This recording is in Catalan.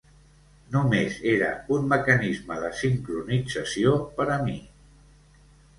Només era un mecanisme de sincronització per a mi.